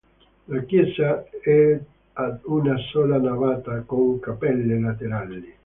La chiesa è ad una sola navata con cappelle laterali.